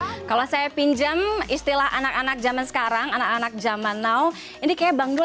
hai kalau saya pinjam istilah anak anak zaman sekarang anak anak zaman now ini kayak bangdul